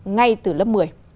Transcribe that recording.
ngay từ lớp một mươi